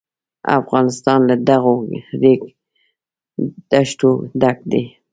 افغانستان له دغو ریګ دښتو ډک دی.